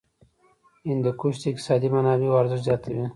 هندوکش د اقتصادي منابعو ارزښت زیاتوي.